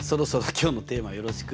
今日のテーマよろしく。